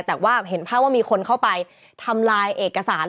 แต่ว่าเห็นภาพว่ามีคนเข้าไปทำลายเอกสาร